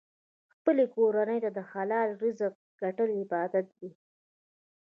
خپلې کورنۍ ته حلال رزق ګټل عبادت دی.